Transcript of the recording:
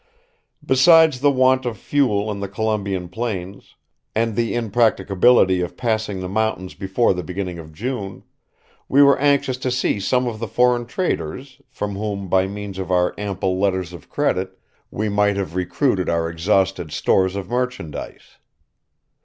"Besides the want of fuel in the Columbian plains, and the impracticability of passing the mountains before the beginning of June, we were anxious to see some of the foreign traders, from whom, by means of our ample letters of credit, we might have recruited our exhausted stores of merchandise.